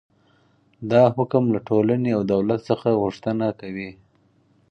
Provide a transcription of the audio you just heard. دا حکم له ټولنې او دولت څخه غوښتنه کوي.